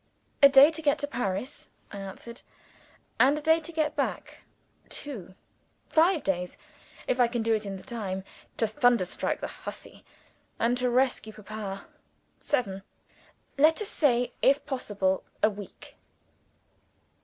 "A day to get to Paris," I answered; "and a day to get back two. Five days (if I can do it in the time) to thunder strike the hussy, and to rescue Papa seven. Let us say, if possible, a week."